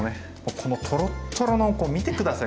このとろっとろの見て下さい。